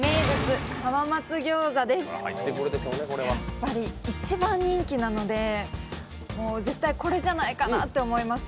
やっぱり一番人気なので絶対これじゃないかなと思います。